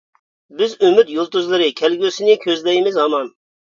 بىز ئۈمىد يۇلتۇزلىرى، كەلگۈسىنى كۆزلەيمىز ھامان.